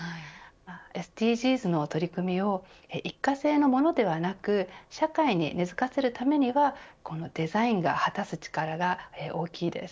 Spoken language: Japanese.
ＳＤＧｓの取り組みを一過性のものではなく社会に根づかせるためにはこのデザインが果たす力が大きいです。